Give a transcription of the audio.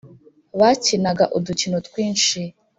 bakinaga udukino twinshi